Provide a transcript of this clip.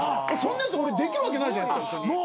そんなやつ俺できるわけないじゃないですか。